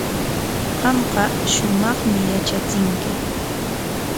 Qamqa shumaqmi yatrachinki.